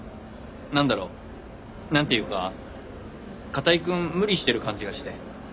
何だろ何て言うか片居くん無理してる感じがして。